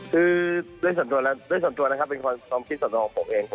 อเจมส์คือด้วยสัมภัณฑ์นะครับเป็นความคิดสัมภัณฑ์ของผมเอง